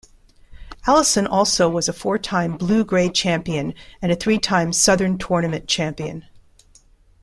Alison also was a four-time Blue Gray champion, and a three-time Southern tournament champion.